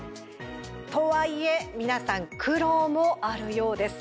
とはいえ皆さん苦労もあるようです。